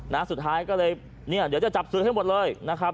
นะสุดท้ายก็เลยเนี่ยเดี๋ยวจะจับซื้อให้หมดเลยนะครับ